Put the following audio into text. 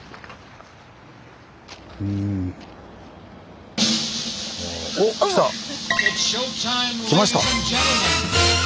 うん。おっ来た。来ました。